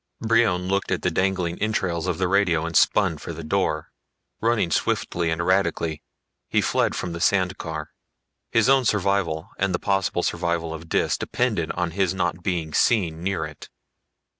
Brion looked at the dangling entrails of the radio and spun for the door. Running swiftly and erratically, he fled from the sand car. His own survival and the possible survival of Dis depended on his not being seen near it.